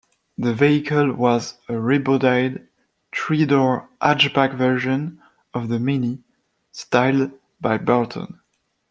The vehicle was a rebodied, three-door hatchback version of the Mini, styled by Bertone.